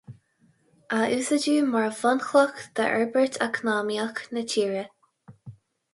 A úsáideadh mar bhunchloch d'fhorbairt eacnamaíoch na tíre.